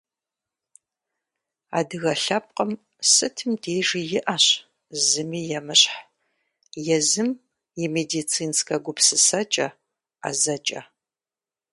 Адыгэ лъэпкъым сытым дежи иӏащ зыми емыщхь езым и медицинскэ гупсысэкӏэ, ӏэзэкӏэ.